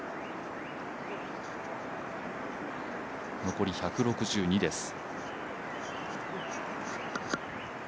残り１６２です。